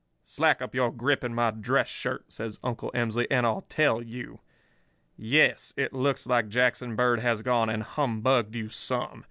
"'Slack up your grip in my dress shirt,' says Uncle Emsley, 'and I'll tell you. Yes, it looks like Jackson Bird has gone and humbugged you some.